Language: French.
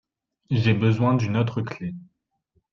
J’ai besoin d’une autre clef.